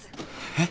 えっ？